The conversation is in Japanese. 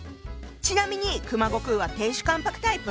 ちなみに熊悟空は亭主関白タイプ？